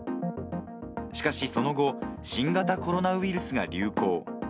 しかしその後、新型コロナウイルスが流行。